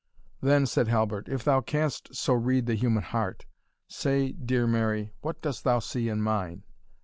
"Then," said Halbert, "if thou canst so read the human heart, say, dear Mary what dost thou see in mine?